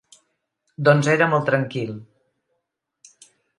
Doncs era molt tranquil.